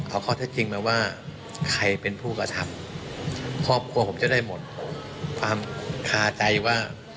เอาข้อเท็จจริงมาว่าใครเป็นผู้กระทำครอบครัวผมจะได้หมดความคาใจว่า